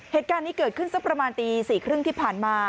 เหตุการณ์นี้เกิดขึ้นสักประมาณตี๔๓๐ที่ผ่านมา